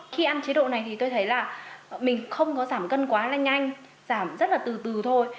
khi ăn chế độ này thì tôi thấy là mình không có giảm cân quá lên nhanh giảm rất là từ từ thôi